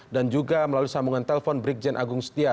dan juga melalui sambungan telpon brikjen agung setia